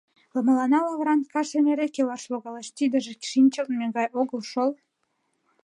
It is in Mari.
— Мыланна лавыран кашым эре келаш логалеш, тидыже шинчылтме гай огыл шол...